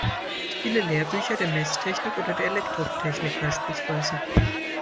Viele Lehrbücher der Messtechnik oder der Elektrotechnik, beispielsweise